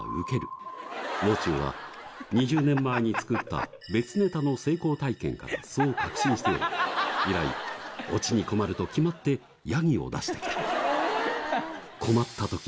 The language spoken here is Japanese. ・もう中は２０年前に作った別ネタの成功体験からそう確信しており以来オチに困ると決まってヤギを出してきた。